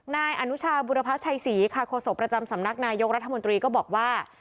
นายอนุชาบุรพชัยศรีคศสำนักนายโยครัฐมนตรีก็บอกว่า